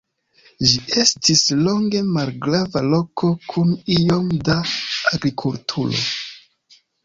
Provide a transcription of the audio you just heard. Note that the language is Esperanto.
Ĝi estis longe malgrava loko kun iom da agrikulturo.